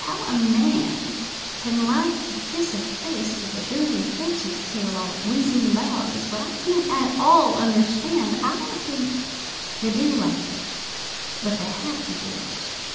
How a man can like to kiss a face with a dirty horse's tail all whizzing about it, is what I can't at all understand. I don't think they do like it, but they have to do it."